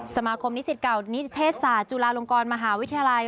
สมาคมนิสิตเก่านิติเทศศาสตร์จุฬาลงกรมหาวิทยาลัย